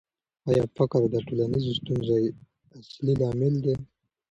آیا فقر د ټولنیزو ستونزو اصلي لامل دی؟